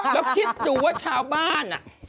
แล้วคิดดูว่าชาวบ้าน